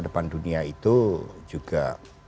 depan dunia itu juga